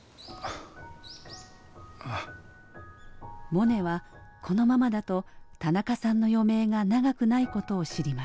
モネはこのままだと田中さんの余命が長くないことを知ります。